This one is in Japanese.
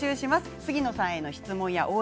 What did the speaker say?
杉野さんへの質問や応援